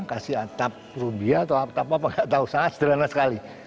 kasih atap rubia atau atap apa nggak tahu sangat sederhana sekali